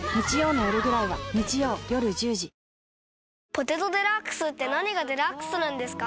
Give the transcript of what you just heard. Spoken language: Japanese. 「ポテトデラックス」って何がデラックスなんですか？